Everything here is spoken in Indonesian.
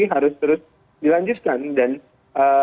dan itu jadi komitmen pak prabowo